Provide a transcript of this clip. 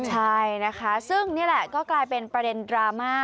ใช่นะคะซึ่งนี่แหละก็กลายเป็นประเด็นดราม่า